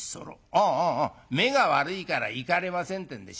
ああああ目が悪いから行かれませんってんで知らしてきたんだ。